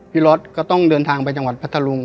รถก็ต้องเดินทางไปจังหวัดพัทธรุง